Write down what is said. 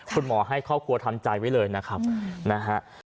คุณหมอให้ครอบครัวทำใจไว้เลยนะครับนะฮะ